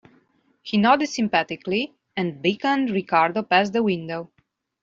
He nodded sympathetically, and beckoned Ricardo past the window.